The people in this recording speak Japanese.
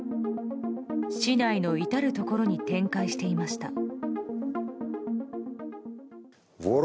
市内の至るところに展開していました。